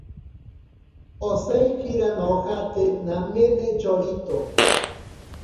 Osaikira nojate namene chorito.